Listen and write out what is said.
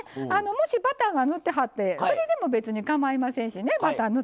もし、バターが塗ってはってそれでも別にかまいません。